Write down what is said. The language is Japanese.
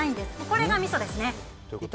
これがみそですね。